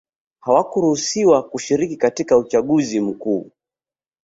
hawakuruhusiwa kushiriki katika uchaguzi mkuu